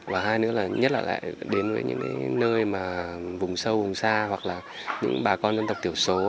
và hai nữa là nhất là lại đến với những nơi mà vùng sâu vùng xa hoặc là những bà con dân tộc tiểu số